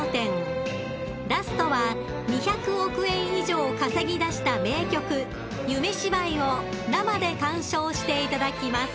［ラストは２００億円以上を稼ぎ出した名曲『夢芝居』を生で鑑賞していただきます］